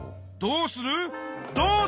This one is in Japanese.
どうする！？